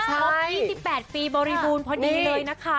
ครบ๒๘ปีบริบูรณ์พอดีเลยนะคะ